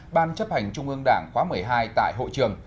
ban chấp hành trung ương đảng khóa một mươi hai tại hội trường